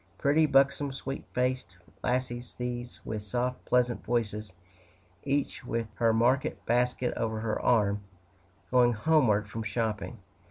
Pretty, buxom, sweet faced lassies, these, with soft, pleasant voices, each with her market basket over her arm, going homeward from shopping.